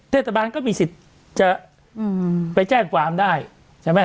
เทศบาลก็มีสิทธิ์จะไปแจ้งความได้ใช่ไหม